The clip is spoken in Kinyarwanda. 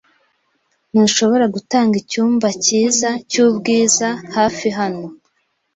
Ntushobora gutanga icyumba cyiza cyubwiza hafi hano?